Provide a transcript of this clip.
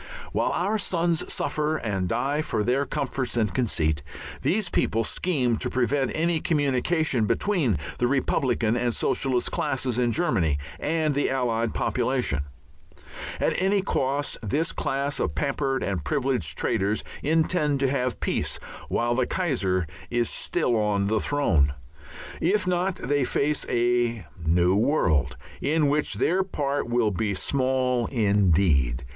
While our sons suffer and die for their comforts and conceit, these people scheme to prevent any communication between the Republican and Socialist classes in Germany and the Allied population. At any cost this class of pampered and privileged traitors intend to have peace while the Kaiser is still on his throne. If not they face a new world in which their part will be small indeed.